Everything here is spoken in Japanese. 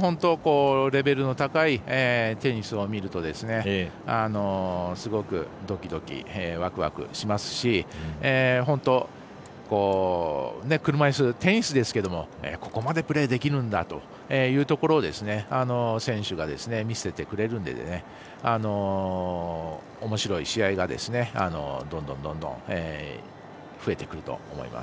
本当に、レベルの高いテニスを見るとすごくドキドキワクワクしますし車いすテニスですけれどもここまでプレーできるんだというところを選手が見せてくれるんでおもしろい試合がどんどん増えてくると思います。